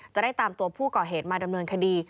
จะได้ตามตัวผู้ก่อเหตุมาดำเนินคดี